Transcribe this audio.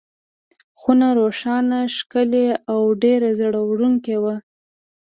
خونه روښانه، ښکلې او ډېره زړه وړونکې وه.